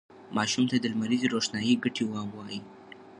ماشومانو ته د لمریزې روښنايي ګټې ووایئ.